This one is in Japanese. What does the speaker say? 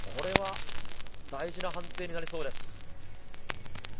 大事な判定になりそうです。